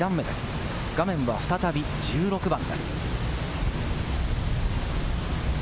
画面は再び１６番です。